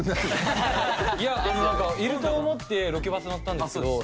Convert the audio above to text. いや何かいると思ってロケバス乗ったんですけど